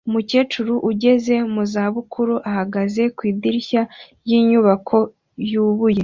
Umukecuru ugeze mu za bukuru ahagaze ku idirishya ryinyubako yubuye